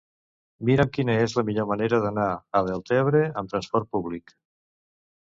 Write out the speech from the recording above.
Mira'm quina és la millor manera d'anar a Deltebre amb trasport públic.